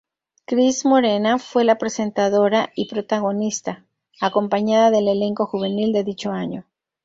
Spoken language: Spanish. Cris Morena fue la presentadora y protagonista, acompañada del elenco juvenil de dicho año.